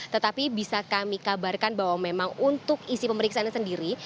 tetapi bisa kami kabarkan bahwa memang untuk isi pemeriksaannya sendiri